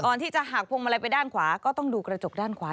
ก่อนที่จะหักพวงมาลัยไปด้านขวาก็ต้องดูกระจกด้านขวา